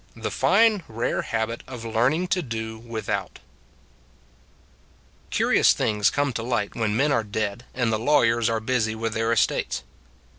THE FINE RARE HABIT OF LEARNING TO DO WITHOUT CURIOUS things come to light when men are dead and the lawyers are busy with their estates.